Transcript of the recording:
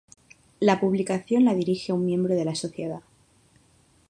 La publicación la dirige un miembro de la Sociedad.